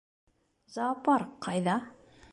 Зоопарк ҡайҙа?